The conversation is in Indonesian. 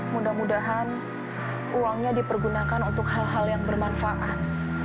mudah mudahan uangnya dipergunakan untuk hal hal yang bermanfaat